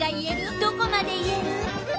どこまで言える？